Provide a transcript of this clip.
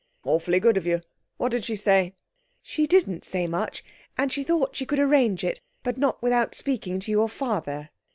'Awfully good of you. What did she say?' 'She didn't say much, and she thought she could arrange it, but not without speaking to your father.'